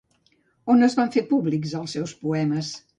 On es van fer públics els seus poemes?